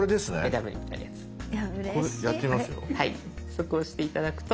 そこ押して頂くと。